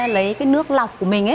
lấy cái nước lọc của mình ấy